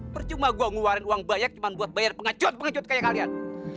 percuma gue ngeluarin uang banyak cuma buat bayar pengacuan pengecut kayak kalian